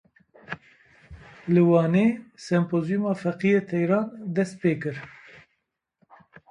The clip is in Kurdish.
Li Wanê sempozyûma Feqiyê Teyran dest pê kir.